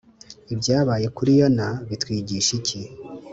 Ibyabaye kuri Yona bitwigisha iki